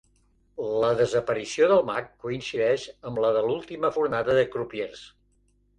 La desaparició del mag coincideix amb la de l'última fornada de crupiers.